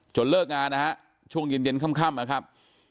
จนเลิกงานนะฮะช่วงเย็นเย็นค่ำค่ำนะครับ